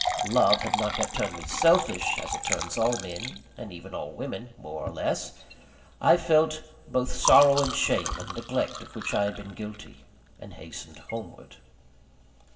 Love had not yet turned me selfish, as it turns all men, and even all women, more or less. I felt both sorrow and shame at the neglect of which I had been guilty; and hastened homeward.